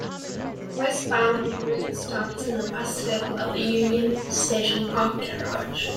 Westbound, the route starts in the bus level of the Union Station parking garage.